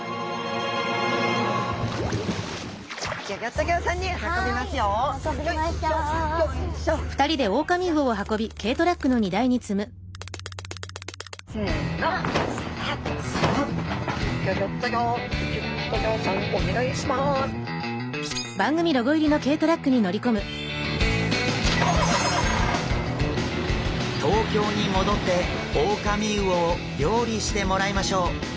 東京に戻ってオオカミウオを料理してもらいましょう。